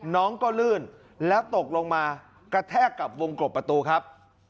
น้องก็ลื่นแล้วตกลงมากระแทกกับวงกบประตูครับ